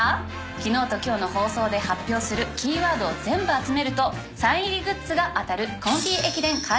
昨日と今日の放送で発表するキーワードを全部集めるとサイン入りグッズが当たる。